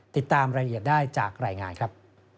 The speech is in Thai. ติดตามรายละเอียดได้จากรายงานครับ